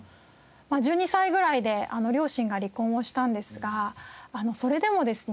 １２歳ぐらいで両親が離婚をしたんですがそれでもですね